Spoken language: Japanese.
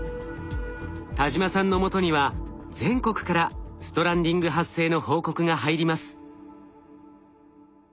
田島さんのもとには全国からストランディング発生の報告が入ります。